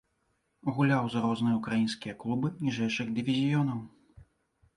Гуляў за розныя ўкраінскія клубы ніжэйшых дывізіёнаў.